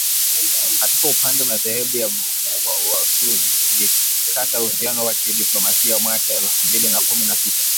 katika upande madhehebu ya wasunni, ilikata uhusiano wa kidiplomasia mwaka elfu mbili na kumi na sita